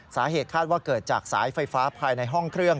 สาเหตุคาดว่าเกิดจากสายไฟฟ้าภายในห้องเครื่อง